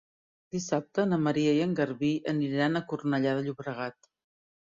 Dissabte na Maria i en Garbí aniran a Cornellà de Llobregat.